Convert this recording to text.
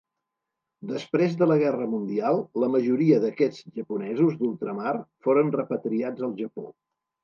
Després de la Guerra Mundial, la majoria d'aquests japonesos d'ultramar foren repatriats al Japó.